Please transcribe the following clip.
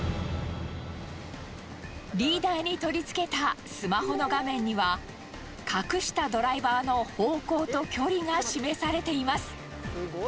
リーダーに取り付けたスマホの画面には、隠したドライバーの方向と距離が示されています。